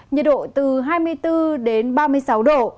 nhiệt độ từ hai mươi bốn đến ba mươi sáu độ